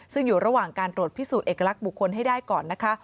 ซึ่งอยู่ระหว่างการตรวจพิสูจนเอกลักษณ์บุคคลให้ได้ก่อนนะคะ